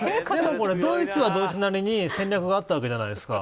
ドイツはドイツなりに戦略があったわけじゃないですか。